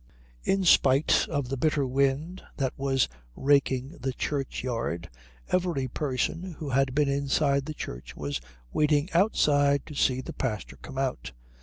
In spite of the bitter wind that was raking the churchyard every person who had been inside the church was waiting outside to see the pastor come out.